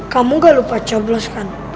kamu gak lupa coblos kan